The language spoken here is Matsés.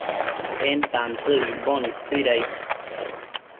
en tantsëc icboc istuidaid